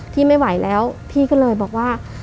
พี่ไม่ไหวแล้วพี่ก็เลยบอกว่า